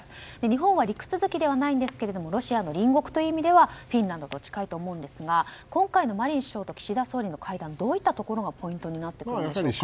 日本は陸続きではないですがロシアの隣国という意味ではフィンランドと近いと思いますが今回のマリン首相と岸田総理の会談どういったところがポイントになってきますか。